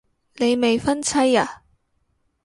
你未婚妻啊